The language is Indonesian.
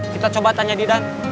kita coba tanya didan